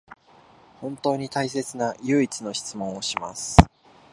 本当に大切な唯一の質問をします